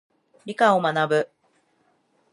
理科を学ぶ。